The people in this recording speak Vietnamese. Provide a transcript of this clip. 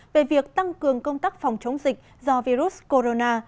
về việc tăng cường công tác phòng chống dịch do virus corona